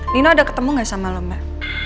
nino ada ketemu gak sama lo mbak